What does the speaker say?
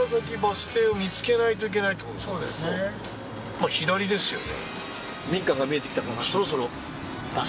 まあ左ですよね。